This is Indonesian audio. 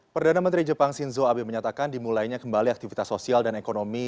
perdana menteri jepang shinzo abe menyatakan dimulainya kembali aktivitas sosial dan ekonomi